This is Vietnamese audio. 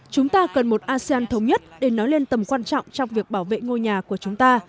chúng ta cần một asean thống nhất để nói lên tầm quan trọng trong việc bảo vệ ngôi nhà của chúng ta